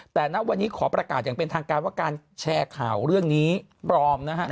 แต่ณวันนี้ขอประกาศอย่างเป็นทางการว่าการแชร์ข่าวเรื่องนี้ปลอมนะฮะ